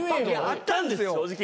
あったんです正直。